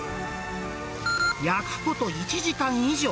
焼くこと１時間以上。